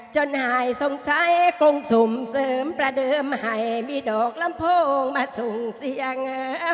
หายสงสัยกรงสุ่มเสริมประเดิมให้มีดอกลำโพงมาส่งเสียเหงา